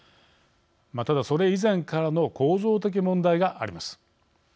ただ、それ以前からの構造的問題があります。